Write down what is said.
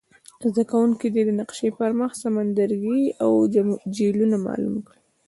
زده کوونکي دې د نقشي پر مخ سمندرګي او جهیلونه معلوم کړي.